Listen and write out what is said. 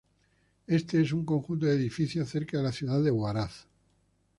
Este es un conjunto de edificios, cerca de la ciudad de Huaraz.